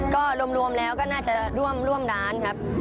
ก็รวมแล้วก็น่าจะร่วมร้านครับ